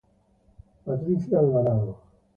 Patricia Alvarado.